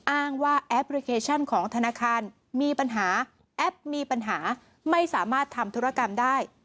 อ้างว่าแอปพลิเคชันของธนาคารมีปัญหาแอปมีปัญหาไม่สามารถทำธุรกรรมได้